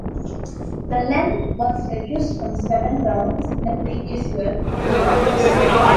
The length was reduced from seven rounds in the previous year to three rounds.